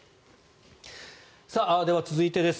では、続いてです。